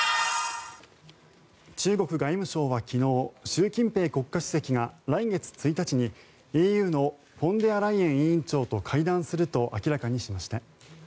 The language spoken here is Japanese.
中国外務省は昨日習近平国家主席が来月１日に、ＥＵのフォンデアライエン委員長と会談すると明らかにしました。